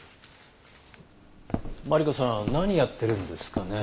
マリコさん何やってるんですかね？